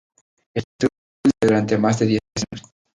Estuvo desempleado durante más de diez años.